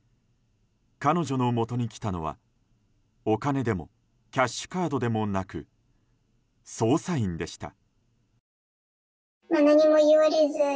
彼女のもとに来たのは、お金でもキャッシュカードでもなく捜査員でした。